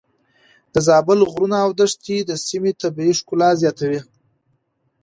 د زابل غرونه او دښتې د سيمې طبيعي ښکلا زياتوي.